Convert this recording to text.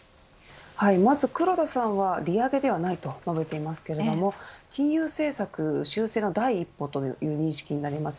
まず黒田さんは利上げではないと述べていますけれど金融政策修正の第一歩という認識になります。